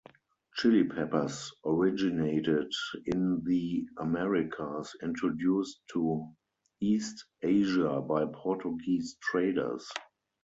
Chili peppers originated in the Americas, introduced to East Asia by Portuguese traders.